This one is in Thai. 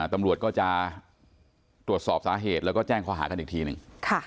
ตำรวจก็จะตรวจสอบสาเหตุแล้วก็แจ้งข้อหากันอีกทีหนึ่ง